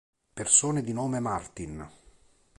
Persone di nome Martin